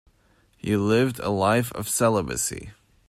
He lived a life of celibacy.